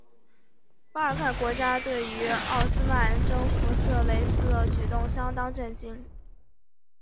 巴尔干国家对于奥斯曼征服色雷斯的举动相当震惊。